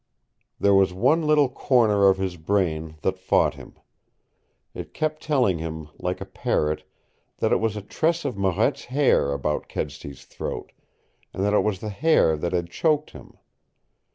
There was one little corner of his brain that fought him. It kept telling him, like a parrot, that it was a tress of Marette's hair about Kedsty's throat, and that it was the hair that had choked him.